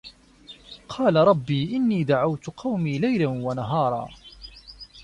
قالَ رَبِّ إِنّي دَعَوتُ قَومي لَيلًا وَنَهارًا